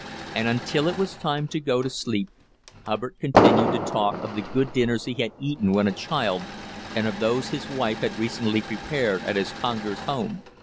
And until it was time to go to sleep Hubbard continued to talk of the good dinners he had eaten when a child and of those his wife had recently prepared at his Congers home.